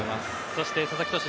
そして佐々木投手